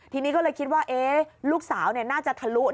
ทีนี้ก็เลยคิดว่าลูกสาวน่าจะทะลุ